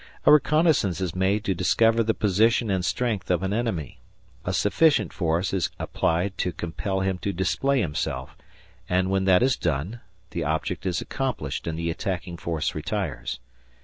A reconnaissance is made to discover the position and strength of an enemy. A sufficient force is applied to compel him to display himself, and, when that is done, the object is accomplished and the attacking force retires.